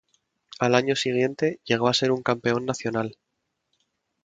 Al año siguiente llegó a ser un campeón nacional.